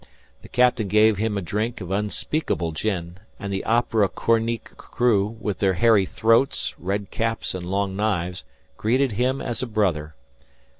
The captain gave him a drink of unspeakable gin, and the opera comique crew, with their hairy throats, red caps, and long knives, greeted him as a brother.